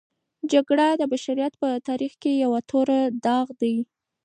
جګړه د بشریت په تاریخ کې یوه توره داغ دی.